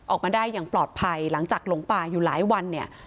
ออกมาได้อย่างปลอดภัยหลังจากหลงป่าอยู่หลายวันเนี่ย